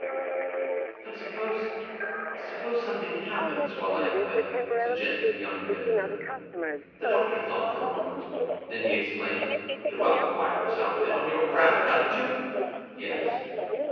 "But suppose suppose something happens while I am away?" suggested the young inventor. The doctor thought for a moment. Then he exclaimed: "You have a wireless outfit on your craft; haven't you?" "Yes."